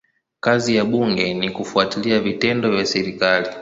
Kazi ya bunge ni kufuatilia vitendo vya serikali.